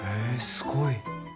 すごい？